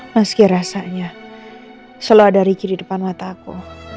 meski rasanya selalu ada riki di depan mata aku